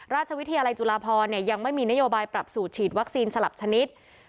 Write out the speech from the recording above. ราชวิทยาลัยจุฬาพรยังไม่มีนโยบายปรับสูตรฉีดวัคซีนสลับชนิด